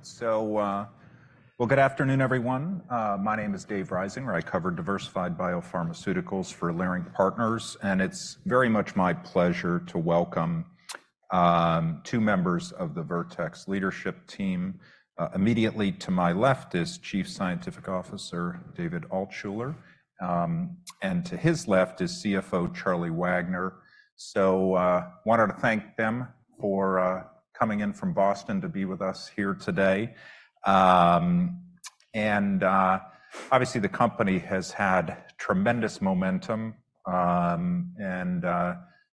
All right, so, well, good afternoon, everyone. My name is David Risinger. I cover diversified biopharmaceuticals for Leerink Partners, and it's very much my pleasure to welcome two members of the Vertex leadership team. Immediately to my left is Chief Scientific Officer David Altshuler, and to his left is CFO Charlie Wagner. So, wanted to thank them for coming in from Boston to be with us here today. And, obviously the company has had tremendous momentum, and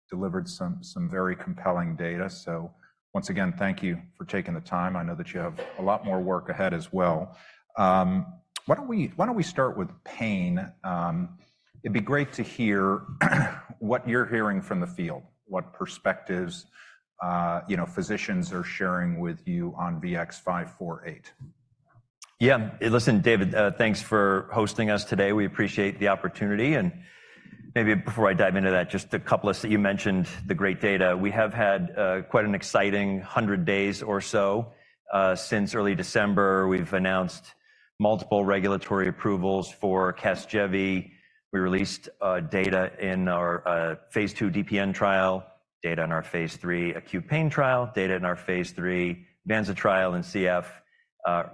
delivered some very compelling data. So once again, thank you for taking the time. I know that you have a lot more work ahead as well. Why don't we why don't we start with pain? It'd be great to hear what you're hearing from the field, what perspectives, you know, physicians are sharing with you on VX548. Yeah. Listen, David, thanks for hosting us today. We appreciate the opportunity. And maybe before I dive into that, just a couple of updates that you mentioned, the great data we have had, quite an exciting 100 days or so, since early December. We've announced multiple regulatory approvals for Casgevy. We released data in our phase II DPN trial, data in our phase III acute pain trial, data in our phase III Vanza trial, and in CF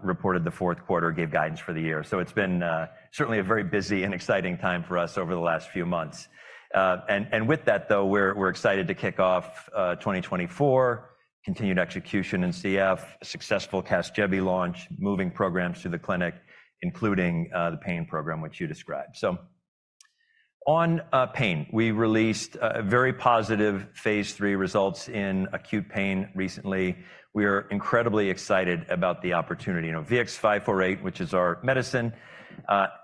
reported the Q4, gave guidance for the year. So it's been certainly a very busy and exciting time for us over the last few months. And with that, though, we're excited to kick off 2024 continued execution in CF, successful Casgevy launch, moving programs to the clinic, including the pain program which you described. So on pain, we released very positive phase III results in acute pain recently. We are incredibly excited about the opportunity. You know, VX548, which is our medicine,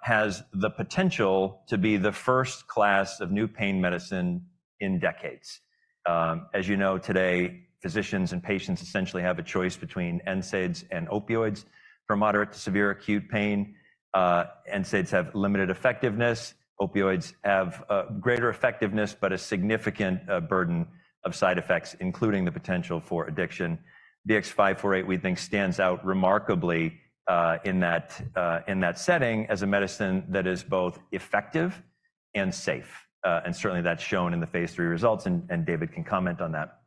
has the potential to be the first class of new pain medicine in decades. As you know, today, physicians and patients essentially have a choice between NSAIDs and opioids for moderate to severe acute pain. NSAIDs have limited effectiveness. Opioids have greater effectiveness but a significant burden of side effects, including the potential for addiction. VX548, we think, stands out remarkably, in that, in that setting as a medicine that is both effective and safe. And certainly that's shown in the phase III results. And, and David can comment on that.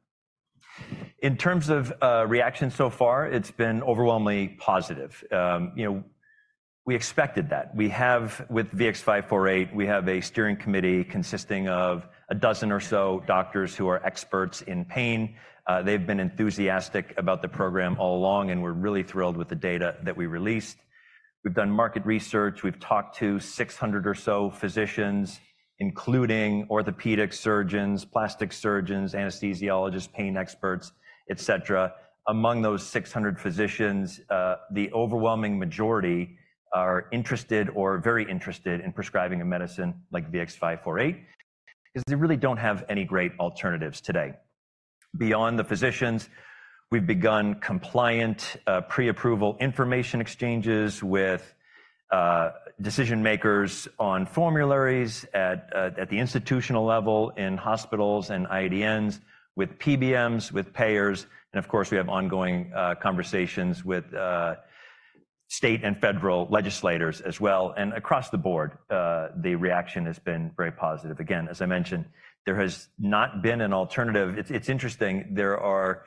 In terms of reaction so far, it's been overwhelmingly positive. You know, we expected that. We have with VX548, we have a steering committee consisting of a dozen or so doctors who are experts in pain. They've been enthusiastic about the program all along, and we're really thrilled with the data that we released. We've done market research. We've talked to 600 or so physicians, including orthopedic surgeons, plastic surgeons, anesthesiologists, pain experts, et cetera. Among those 600 physicians, the overwhelming majority are interested or very interested in prescribing a medicine like VX548 because they really don't have any great alternatives today. Beyond the physicians, we've begun compliant pre-approval information exchanges with decision makers on formularies at the institutional level in hospitals and IDNs, with PBMs, with payers. Of course, we have ongoing conversations with state and federal legislators as well. Across the board, the reaction has been very positive. Again, as I mentioned, there has not been an alternative. It's interesting. There are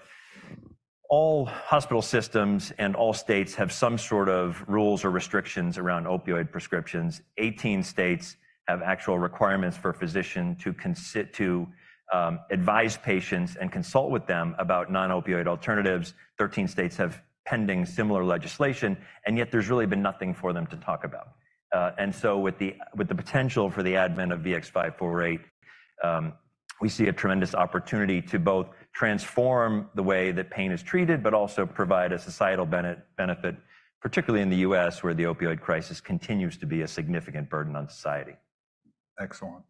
all hospital systems and all states have some sort of rules or restrictions around opioid prescriptions. 18 states have actual requirements for a physician to consult, advise patients and consult with them about non-opioid alternatives. 13 states have pending similar legislation. And yet there's really been nothing for them to talk about. And so with the potential for the advent of VX548, we see a tremendous opportunity to both transform the way that pain is treated but also provide a societal benefit, particularly in the U.S., where the opioid crisis continues to be a significant burden on society. Excellent.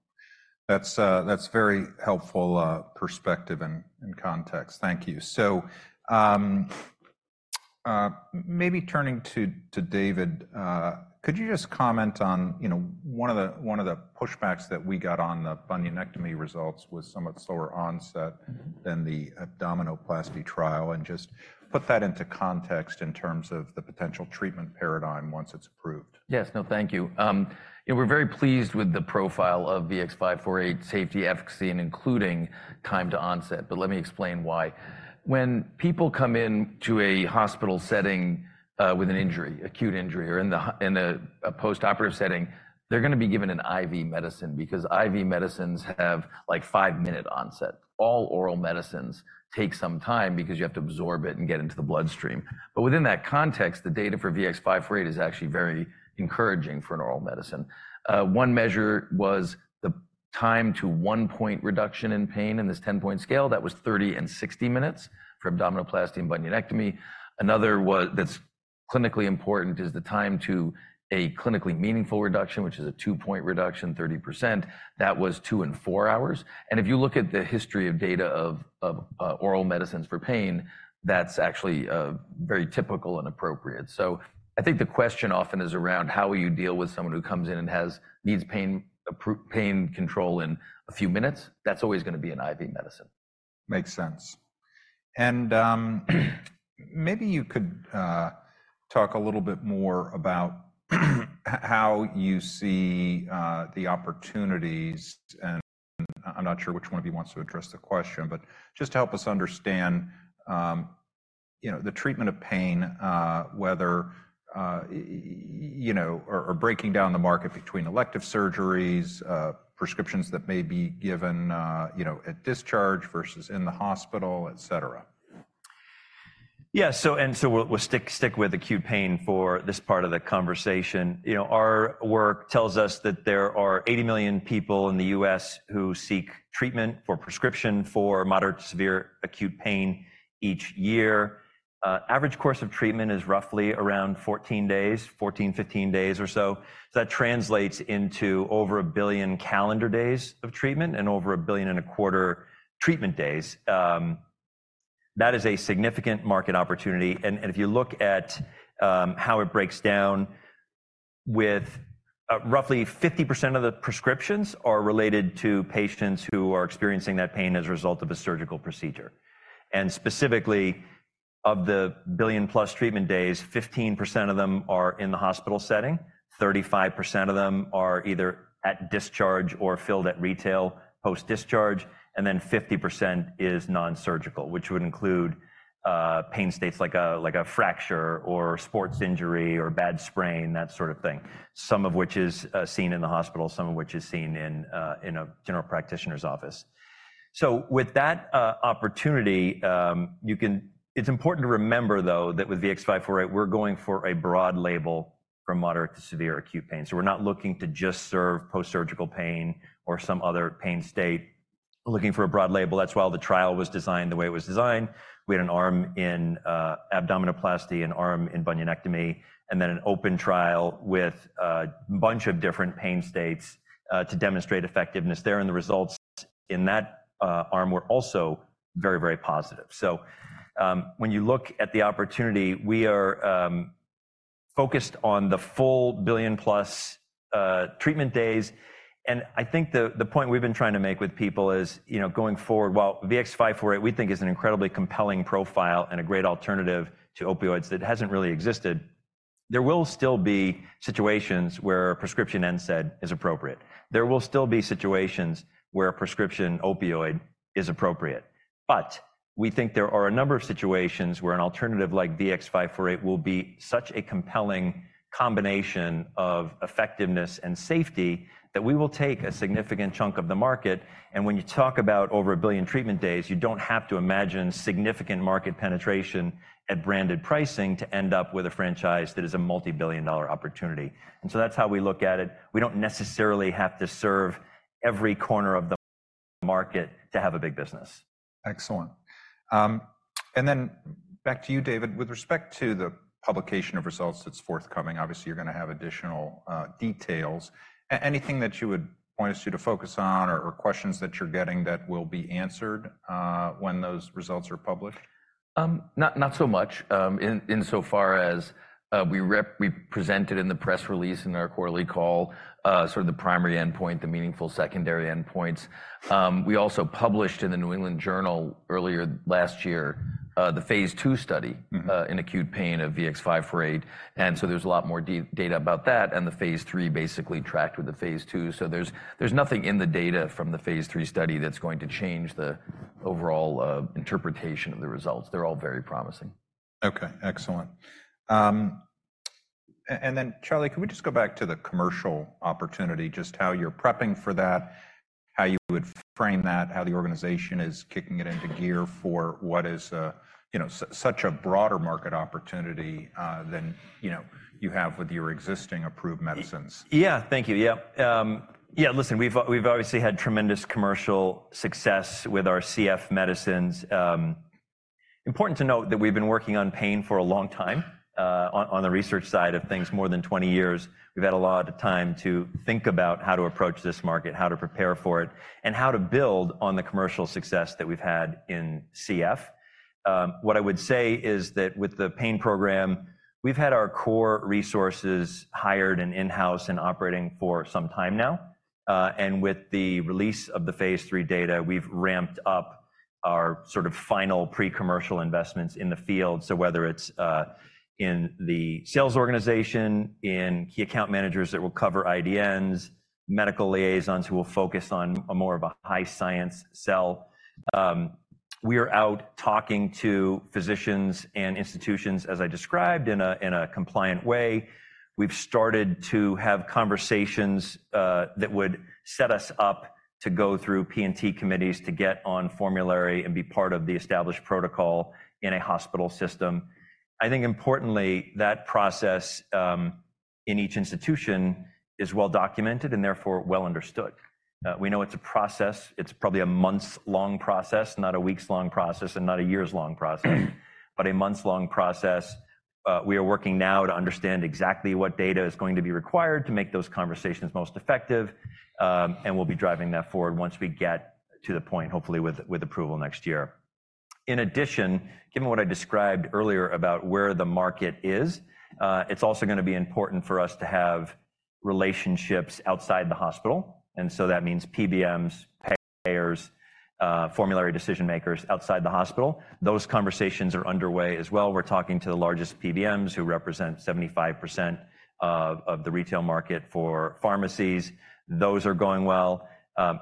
That's very helpful, perspective and context. Thank you. So, maybe turning to David, could you just comment on, you know, one of the pushbacks that we got on the bunionectomy results was somewhat slower onset than the abdominoplasty trial and just put that into context in terms of the potential treatment paradigm once it's approved? Yes. No, thank you. You know, we're very pleased with the profile of VX548, safety, efficacy, and including time to onset. But let me explain why. When people come into a hospital setting, with an injury, acute injury, or in a postoperative setting, they're going to be given an IV medicine because IV medicines have, like, 5-minute onset. All oral medicines take some time because you have to absorb it and get into the bloodstream. But within that context, the data for VX548 is actually very encouraging for an oral medicine. One measure was the time to 1-point reduction in pain in this 10-point scale. That was 30 and 60 minutes for abdominoplasty and bunionectomy. Another was that's clinically important is the time to a clinically meaningful reduction, which is a 2-point reduction, 30%. That was 2 and 4 hours. If you look at the history of data of oral medicines for pain, that's actually very typical and appropriate. So I think the question often is around, how will you deal with someone who comes in and has needs pain approved pain control in a few minutes? That's always going to be an IV medicine. Makes sense. Maybe you could talk a little bit more about how you see the opportunities, and I'm not sure which one of you wants to address the question, but just to help us understand, you know, the treatment of pain, whether you know or breaking down the market between elective surgeries, prescriptions that may be given, you know, at discharge versus in the hospital, et cetera. Yeah. So we'll stick with acute pain for this part of the conversation. You know, our work tells us that there are 80 million people in the U.S. who seek treatment for prescription for moderate to severe acute pain each year. The average course of treatment is roughly around 14 days, 14-15 days or so. So that translates into over a billion calendar days of treatment and over 1.25 billion treatment days. That is a significant market opportunity. And if you look at how it breaks down, roughly 50% of the prescriptions are related to patients who are experiencing that pain as a result of a surgical procedure. Specifically, of the billion-plus treatment days, 15% of them are in the hospital setting, 35% of them are either at discharge or filled at retail post-discharge, and then 50% is nonsurgical, which would include pain states like a fracture or sports injury or bad sprain, that sort of thing, some of which is seen in the hospital, some of which is seen in a general practitioner's office. So with that opportunity, you know, it's important to remember, though, that with VX548, we're going for a broad label for moderate to severe acute pain. So we're not looking to just serve post-surgical pain or some other pain state. We're looking for a broad label. That's why the trial was designed the way it was designed. We had an arm in abdominoplasty, an arm in bunionectomy, and then an open trial with a bunch of different pain states to demonstrate effectiveness there. The results in that arm were also very, very positive. When you look at the opportunity, we are focused on the full billion-plus treatment days. I think the point we've been trying to make with people is, you know, going forward, while VX548 we think is an incredibly compelling profile and a great alternative to opioids that hasn't really existed, there will still be situations where a prescription NSAID is appropriate. There will still be situations where a prescription opioid is appropriate. We think there are a number of situations where an alternative like VX548 will be such a compelling combination of effectiveness and safety that we will take a significant chunk of the market. When you talk about over 1 billion treatment days, you don't have to imagine significant market penetration at branded pricing to end up with a franchise that is a multibillion-dollar opportunity. So that's how we look at it. We don't necessarily have to serve every corner of the market to have a big business. Excellent. And then back to you, David. With respect to the publication of results that's forthcoming, obviously you're going to have additional details. Anything that you would point us to to focus on or, or questions that you're getting that will be answered when those results are published? Not so much, insofar as we're. We presented in the press release and our quarterly call sort of the primary endpoint, the meaningful secondary endpoints. We also published in the New England Journal earlier last year the phase II study in acute pain of VX548. And so there's a lot more data about that. And the phase III basically tracked with the phase II. So there's nothing in the data from the phase III study that's going to change the overall interpretation of the results. They're all very promising. Okay. Excellent. And then Charlie, could we just go back to the commercial opportunity, just how you're prepping for that, how you would frame that, how the organization is kicking it into gear for what is a, you know, such a broader market opportunity, than, you know, you have with your existing approved medicines? Yeah. Thank you. Yeah. yeah. Listen, we've obviously had tremendous commercial success with our CF medicines. Important to note that we've been working on pain for a long time, on the research side of things, more than 20 years. We've had a lot of time to think about how to approach this market, how to prepare for it, and how to build on the commercial success that we've had in CF. What I would say is that with the pain program, we've had our core resources hired and in-house and operating for some time now. And with the release of the phase III data, we've ramped up our sort of final pre-commercial investments in the field. So whether it's in the sales organization, in key account managers that will cover IDNs, medical liaisons who will focus on more of a high-science sell, we are out talking to physicians and institutions, as I described, in a compliant way. We've started to have conversations that would set us up to go through P&T committees to get on formulary and be part of the established protocol in a hospital system. I think, importantly, that process in each institution is well documented and therefore well understood. We know it's a process. It's probably a months-long process, not a weeks-long process and not a years-long process, but a months-long process. We are working now to understand exactly what data is going to be required to make those conversations most effective. We'll be driving that forward once we get to the point, hopefully with approval next year. In addition, given what I described earlier about where the market is, it's also going to be important for us to have relationships outside the hospital. So that means PBMs, payers, formulary decision makers outside the hospital. Those conversations are underway as well. We're talking to the largest PBMs who represent 75% of the retail market for pharmacies. Those are going well.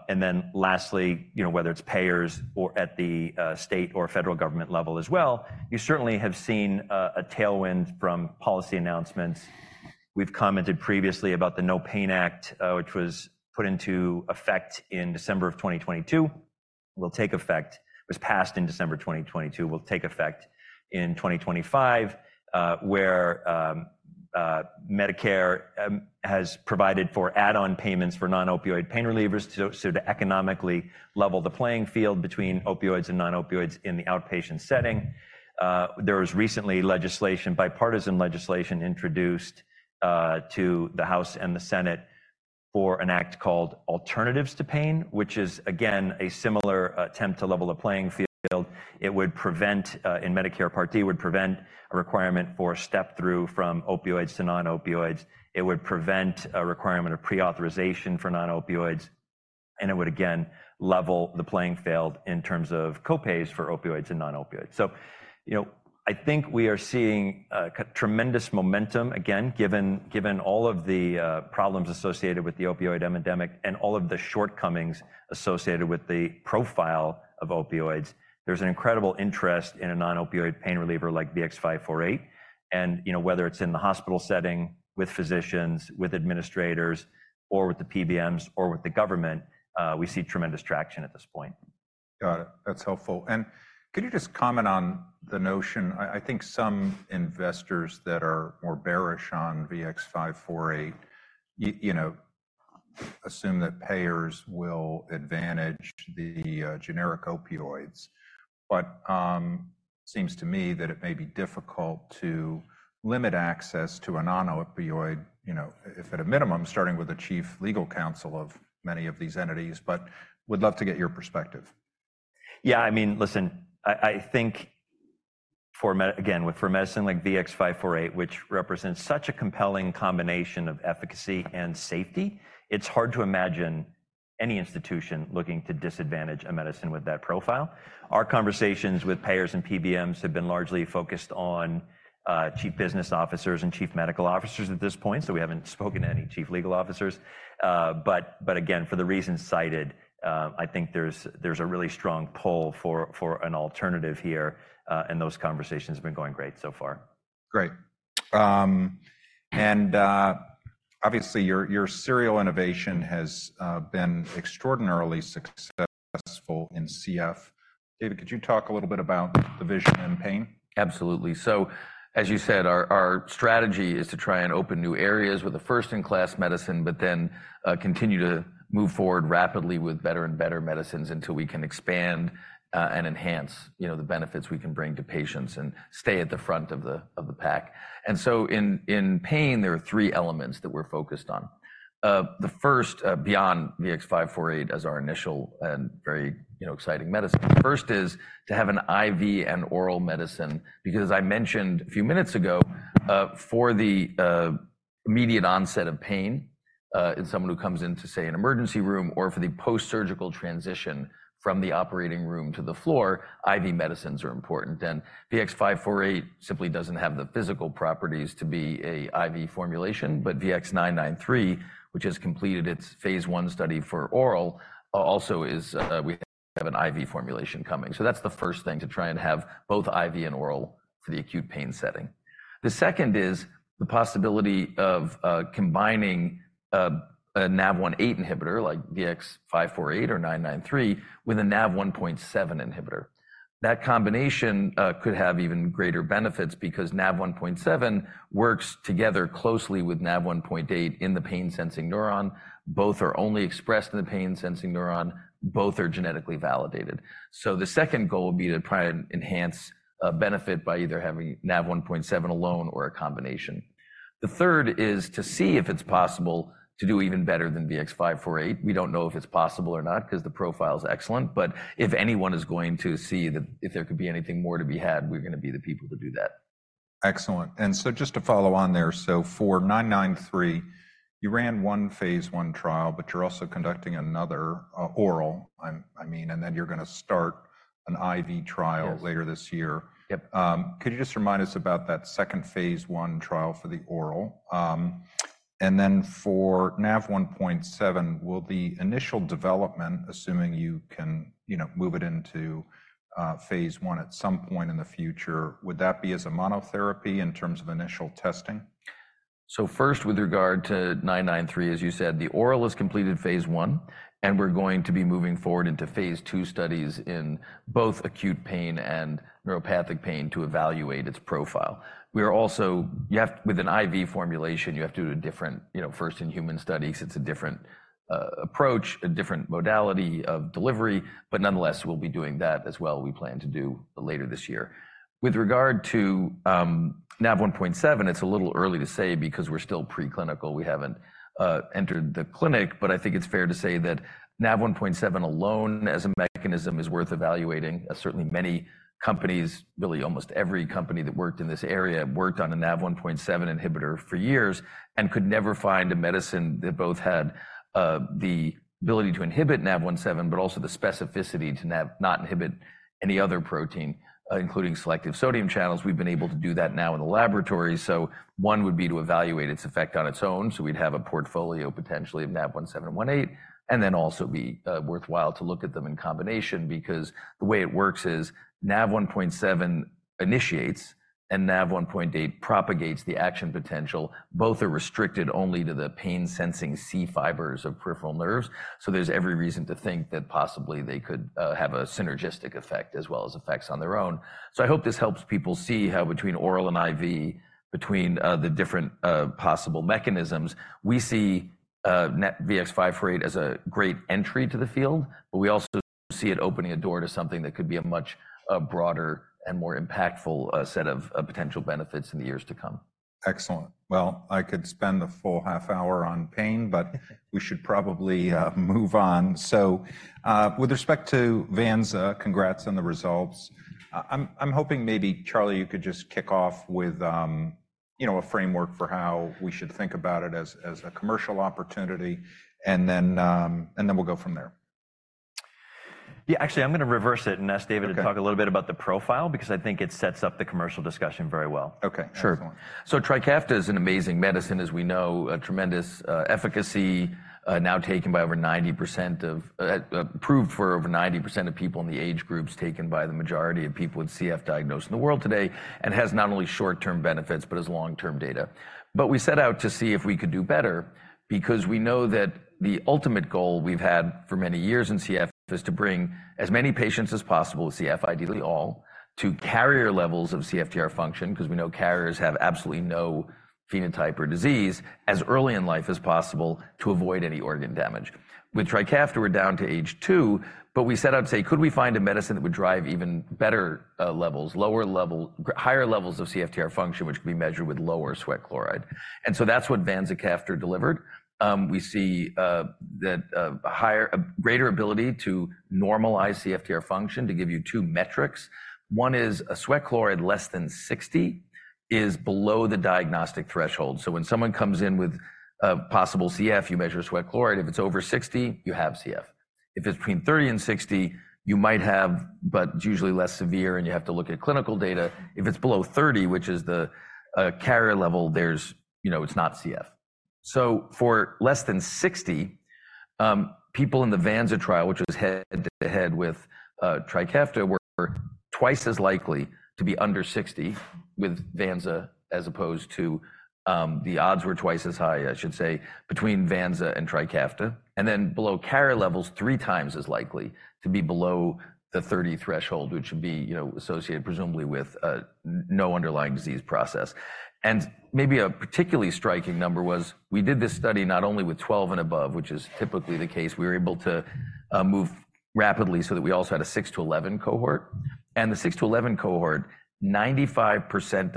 Then lastly, you know, whether it's payers or at the state or federal government level as well, you certainly have seen a tailwind from policy announcements. We've commented previously about the NOPAIN Act, which was put into effect in December of 2022, will take effect, was passed in December 2022, will take effect in 2025, where Medicare has provided for add-on payments for non-opioid pain relievers to so to economically level the playing field between opioids and non-opioids in the outpatient setting. There was recently legislation, bipartisan legislation, introduced to the House and the Senate for an act called Alternatives to PAIN Act, which is, again, a similar attempt to level the playing field. It would prevent, in Medicare Part D, it would prevent a requirement for step-through from opioids to non-opioids. It would prevent a requirement of pre-authorization for non-opioids. And it would, again, level the playing field in terms of copays for opioids and non-opioids. So, you know, I think we are seeing tremendous momentum, again, given all of the problems associated with the opioid epidemic and all of the shortcomings associated with the profile of opioids. There's an incredible interest in a non-opioid pain reliever like VX548. And, you know, whether it's in the hospital setting with physicians, with administrators, or with the PBMs or with the government, we see tremendous traction at this point. Got it. That's helpful. And could you just comment on the notion? I think some investors that are more bearish on VX548, you know, assume that payers will advantage the generic opioids. But it seems to me that it may be difficult to limit access to a non-opioid, you know, if at a minimum, starting with the chief legal counsel of many of these entities. But would love to get your perspective? Yeah. I mean, listen, I, I think for med again, with for medicine like VX548, which represents such a compelling combination of efficacy and safety, it's hard to imagine any institution looking to disadvantage a medicine with that profile. Our conversations with payers and PBMs have been largely focused on chief business officers and chief medical officers at this point. So we haven't spoken to any chief legal officers. But, but again, for the reasons cited, I think there's, there's a really strong pull for an alternative here. Those conversations have been going great so far. Great. And, obviously, your serial innovation has been extraordinarily successful in CF. David, could you talk a little bit about the vision in pain? Absolutely. So, as you said, our strategy is to try and open new areas with the first-in-class medicine, but then continue to move forward rapidly with better and better medicines until we can expand and enhance, you know, the benefits we can bring to patients and stay at the front of the pack. And so in pain, there are three elements that we're focused on. The first, beyond VX548 as our initial and very, you know, exciting medicine, is to have an IV and oral medicine. Because, as I mentioned a few minutes ago, for the immediate onset of pain, in someone who comes into, say, an emergency room or for the post-surgical transition from the operating room to the floor, IV medicines are important. And VX548 simply doesn't have the physical properties to be an IV formulation. But VX993, which has completed its phase I study for oral, also is, we have an IV formulation coming. So that's the first thing, to try and have both IV and oral for the acute pain setting. The second is the possibility of combining a NaV1.8 inhibitor like VX548 or 993 with a NaV1.7 inhibitor. That combination could have even greater benefits because NaV1.7 works together closely with NaV1.8 in the pain-sensing neuron. Both are only expressed in the pain-sensing neuron. Both are genetically validated. So the second goal would be to try and enhance a benefit by either having NaV1.7 alone or a combination. The third is to see if it's possible to do even better than VX548. We don't know if it's possible or not because the profile is excellent. If anyone is going to see that if there could be anything more to be had, we're going to be the people to do that. Excellent. And so just to follow on there. So for 993, you ran one phase I trial, but you're also conducting another, oral, I mean, and then you're going to start an IV trial later this year. Yep. Could you just remind us about that second phase I trial for the oral? And then for NaV1.7, will the initial development, assuming you can, you know, move it into phase I at some point in the future, would that be as a monotherapy in terms of initial testing? So first, with regard to 993, as you said, the oral has completed phase I. And we're going to be moving forward into phase II studies in both acute pain and neuropathic pain to evaluate its profile. We are also you have with an IV formulation, you have to do a different, you know, first-in-human study. It's a different, approach, a different modality of delivery. But nonetheless, we'll be doing that as well. We plan to do later this year. With regard to NaV1.7, it's a little early to say because we're still preclinical. We haven't entered the clinic. But I think it's fair to say that NaV1.7 alone as a mechanism is worth evaluating. Certainly, many companies, really almost every company that worked in this area, worked on a NaV1.7 inhibitor for years and could never find a medicine that both had the ability to inhibit NaV1.7, but also the specificity to not inhibit any other protein, including selective sodium channels. We've been able to do that now in the laboratory. So one would be to evaluate its effect on its own. So we'd have a portfolio potentially of NaV1.7 and NaV1.8 and then also be worthwhile to look at them in combination. Because the way it works is NaV1.7 initiates and NaV1.8 propagates the action potential. Both are restricted only to the pain-sensing C fibers of peripheral nerves. So there's every reason to think that possibly they could have a synergistic effect as well as effects on their own. So I hope this helps people see how, between oral and IV, between the different possible mechanisms, we see VX548 as a great entry to the field. But we also see it opening a door to something that could be a much broader and more impactful set of potential benefits in the years to come. Excellent. Well, I could spend the full half hour on pain, but we should probably move on. So, with respect to Vanza, congrats on the results. I'm hoping maybe, Charlie, you could just kick off with, you know, a framework for how we should think about it as a commercial opportunity. And then we'll go from there. Yeah. Actually, I'm going to reverse it and ask David to talk a little bit about the profile because I think it sets up the commercial discussion very well. Okay. Sure. So Trikafta is an amazing medicine, as we know, a tremendous efficacy, now taken by over 90% of approved for over 90% of people in the age groups taken by the majority of people with CF diagnosed in the world today. It has not only short-term benefits but has long-term data. We set out to see if we could do better because we know that the ultimate goal we've had for many years in CF is to bring as many patients as possible with CF, ideally all, to carrier levels of CFTR function because we know carriers have absolutely no phenotype or disease as early in life as possible to avoid any organ damage. With Trikafta, we're down to age two. But we set out to say, could we find a medicine that would drive even better levels, lower level, higher levels of CFTR function, which could be measured with lower sweat chloride? And so that's what vanzacaftor delivered. We see that a greater ability to normalize CFTR function, to give you two metrics. One is a sweat chloride less than 60 is below the diagnostic threshold. So when someone comes in with possible CF, you measure sweat chloride. If it's over 60, you have CF. If it's between 30 and 60, you might have, but it's usually less severe and you have to look at clinical data. If it's below 30, which is the carrier level, there's you know, it's not CF. So for less than 60, people in the Vanza trial, which was head-to-head with Trikafta, were twice as likely to be under 60 with Vanza as opposed to, the odds were twice as high, I should say, between Vanza and Trikafta. And then below carrier levels, three times as likely to be below the 30 threshold, which would be, you know, associated presumably with no underlying disease process. And maybe a particularly striking number was we did this study not only with 12 and above, which is typically the case. We were able to move rapidly so that we also had a 6 to 11 cohort. And the 6 to 11 cohort, 95%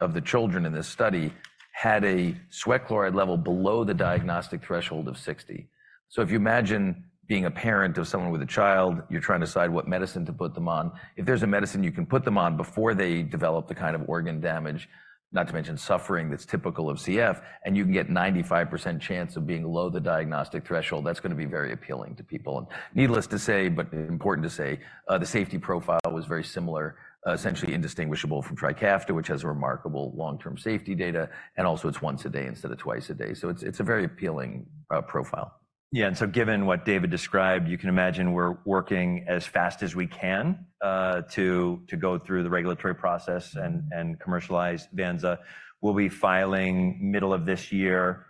of the children in this study had a sweat chloride level below the diagnostic threshold of 60. So if you imagine being a parent of someone with a child, you're trying to decide what medicine to put them on. If there's a medicine you can put them on before they develop the kind of organ damage, not to mention suffering that's typical of CF, and you can get a 95% chance of being below the diagnostic threshold, that's going to be very appealing to people. And needless to say, but important to say, the safety profile was very similar, essentially indistinguishable from Trikafta, which has remarkable long-term safety data. And also it's once a day instead of twice a day. So it's a very appealing profile. Yeah. And so given what David described, you can imagine we're working as fast as we can to go through the regulatory process and commercialize Vanza. We'll be filing middle of this year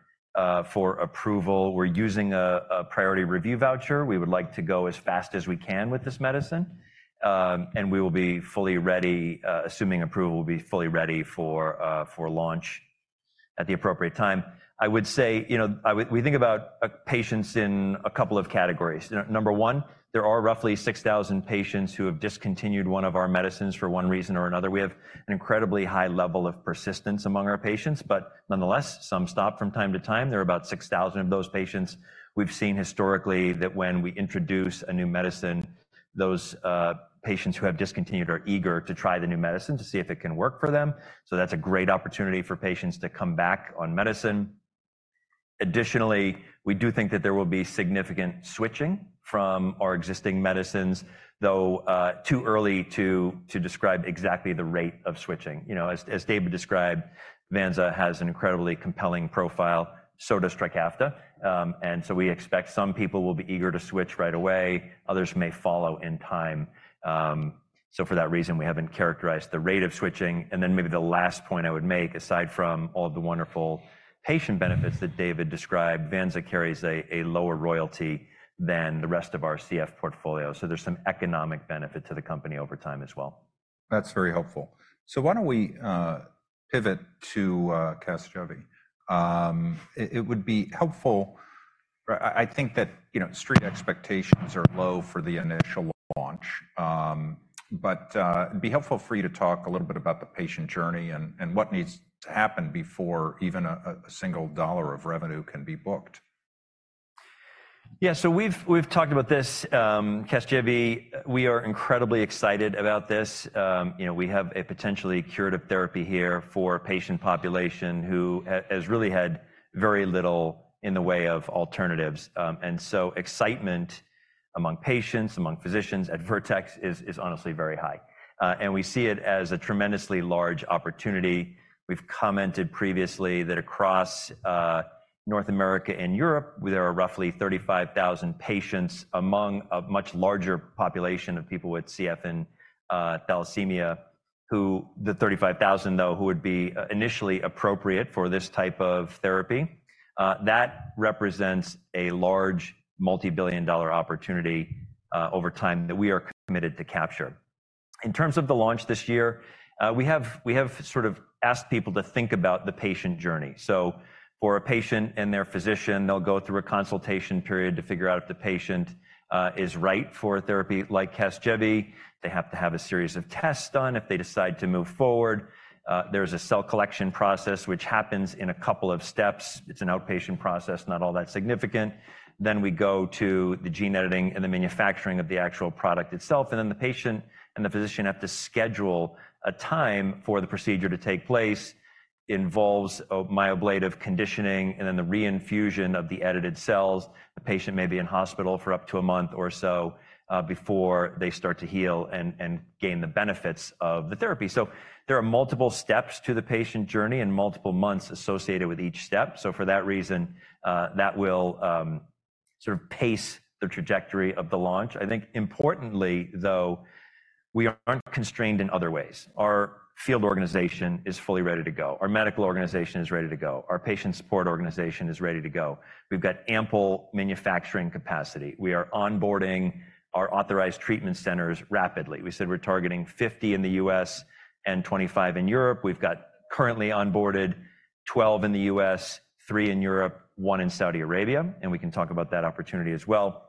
for approval. We're using a priority review voucher. We would like to go as fast as we can with this medicine. We will be fully ready, assuming approval will be fully ready for launch at the appropriate time. I would say, you know, we think about patients in a couple of categories. Number one, there are roughly 6,000 patients who have discontinued one of our medicines for one reason or another. We have an incredibly high level of persistence among our patients. But nonetheless, some stop from time to time. There are about 6,000 of those patients. We've seen historically that when we introduce a new medicine, those patients who have discontinued are eager to try the new medicine to see if it can work for them. So that's a great opportunity for patients to come back on medicine. Additionally, we do think that there will be significant switching from our existing medicines, though too early to describe exactly the rate of switching. You know, as David described, Vanza has an incredibly compelling profile, so does Trikafta. And so we expect some people will be eager to switch right away. Others may follow in time. So for that reason, we haven't characterized the rate of switching. And then maybe the last point I would make, aside from all of the wonderful patient benefits that David described, Vanza carries a lower royalty than the rest of our CF portfolio. So there's some economic benefit to the company over time as well. That's very helpful. So why don't we pivot to Casgevy. It would be helpful, or I think that, you know, Street expectations are low for the initial launch. But it'd be helpful for you to talk a little bit about the patient journey and what needs to happen before even a single dollar of revenue can be booked. Yeah. So we've talked about this, Casgevy. We are incredibly excited about this. You know, we have a potentially curative therapy here for a patient population who has really had very little in the way of alternatives. And so excitement among patients, among physicians at Vertex is honestly very high. And we see it as a tremendously large opportunity. We've commented previously that across North America and Europe, there are roughly 35,000 patients among a much larger population of people with CF and thalassemia who, the 35,000 though, who would be initially appropriate for this type of therapy, that represents a large multibillion-dollar opportunity over time that we are committed to capture. In terms of the launch this year, we have sort of asked people to think about the patient journey. So for a patient and their physician, they'll go through a consultation period to figure out if the patient is right for a therapy like Casgevy. They have to have a series of tests done if they decide to move forward. There is a cell collection process, which happens in a couple of steps. It's an outpatient process, not all that significant. Then we go to the gene editing and the manufacturing of the actual product itself. And then the patient and the physician have to schedule a time for the procedure to take place. It involves myeloablative conditioning and then the reinfusion of the edited cells. The patient may be in hospital for up to a month or so, before they start to heal and, and gain the benefits of the therapy. So there are multiple steps to the patient journey and multiple months associated with each step. So for that reason, that will, sort of pace the trajectory of the launch. I think, importantly, though, we aren't constrained in other ways. Our field organization is fully ready to go. Our medical organization is ready to go. Our patient support organization is ready to go. We've got ample manufacturing capacity. We are onboarding our authorized treatment centers rapidly. We said we're targeting 50 in the U.S. and 25 in Europe. We've got currently onboarded 12 in the U.S., 3 in Europe, one in Saudi Arabia. And we can talk about that opportunity as well.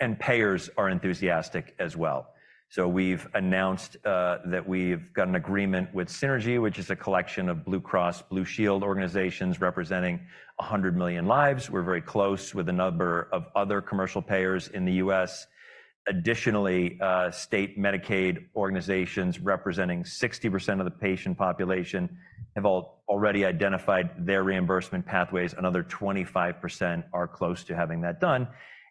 And payers are enthusiastic as well. So we've announced, that we've got an agreement with Synergie, which is a collection of Blue Cross Blue Shield organizations representing 100 million lives. We're very close with a number of other commercial payers in the U.S. Additionally, state Medicaid organizations representing 60% of the patient population have already identified their reimbursement pathways. Another 25% are close to having that done.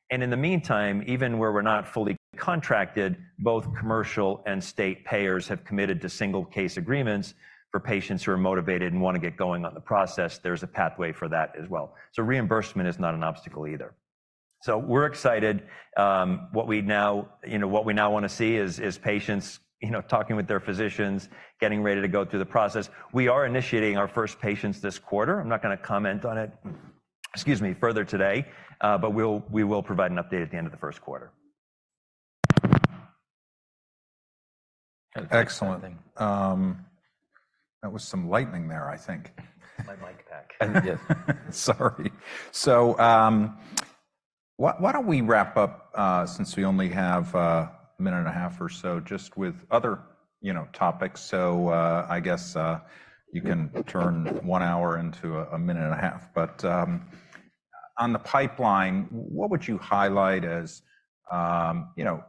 In the meantime, even where we're not fully contracted, both commercial and state payers have committed to single-case agreements for patients who are motivated and want to get going on the process. There's a pathway for that as well. Reimbursement is not an obstacle either. We're excited. What we now, you know, what we now want to see is, is patients, you know, talking with their physicians, getting ready to go through the process. We are initiating our first patients this quarter. I'm not going to comment on it, excuse me, further today. We'll, we will provide an update at the end of the Q1. Excellent. That was some lightning there, I think. My mic pack. Yes. Sorry. So, why don't we wrap up, since we only have a minute and a half or so just with other, you know, topics? So, I guess, you can turn one hour into a minute and a half. But on the pipeline, what would you highlight as, you know,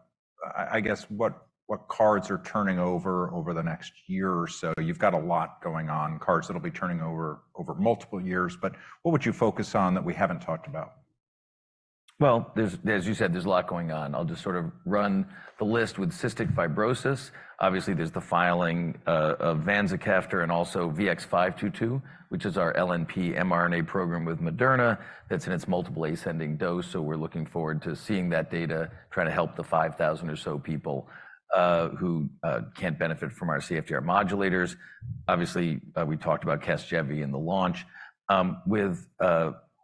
I guess what cards are turning over the next year or so? You've got a lot going on, cards that'll be turning over multiple years. But what would you focus on that we haven't talked about? Well, there's, as you said, there's a lot going on. I'll just sort of run the list with cystic fibrosis. Obviously, there's the filing of vanzacaftor and also VX522, which is our LNP mRNA program with Moderna. That's in its multiple ascending dose. So we're looking forward to seeing that data, trying to help the 5,000 or so people who can't benefit from our CFTR modulators. Obviously, we talked about Casgevy in the launch with,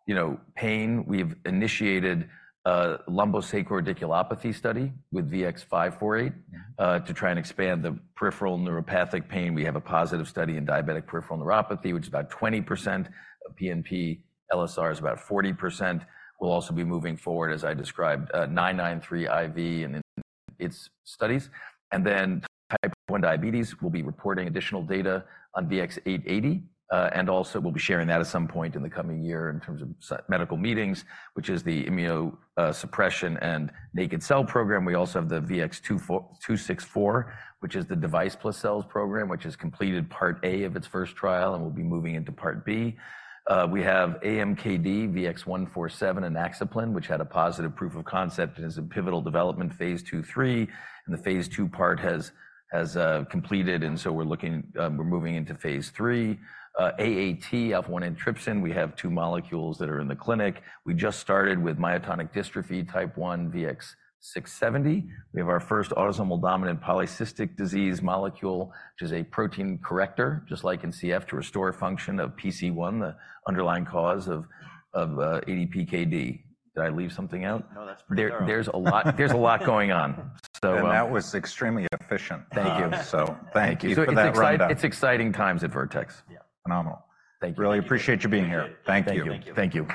you know, pain. We've initiated a lumbosacral radiculopathy study with VX548 to try and expand the peripheral neuropathic pain. We have a positive study in diabetic peripheral neuropathy, which is about 20% of PNP. LSR is about 40%. We'll also be moving forward, as I described, 993 IV and its studies. And then type 1 diabetes, we'll be reporting additional data on VX880. and also we'll be sharing that at some point in the coming year in terms of medical meetings, which is the immunosuppression and naked cell program. We also have the VX264, which is the device plus cells program, which has completed part A of its first trial and will be moving into part B. We have AMKD VX147 and Inaxaplin, which had a positive proof of concept and is in pivotal development phase II, III. And the phase II part has completed. And so we're looking, we're moving into phase III. AAT, alpha-1 antitrypsin, we have two molecules that are in the clinic. We just started with myotonic dystrophy type 1 VX670. We have our first autosomal dominant polycystic kidney disease molecule, which is a protein corrector, just like in CF, to restore function of PC1, the underlying cause of ADPKD. Did I leave something out? No, that's pretty good. There's a lot, there's a lot going on. So. That was extremely efficient. Thank you. Thank you for that. It's exciting times at Vertex. Yeah. Phenomenal. Thank you. Really appreciate you being here. Thank you. Thank you. Thank you.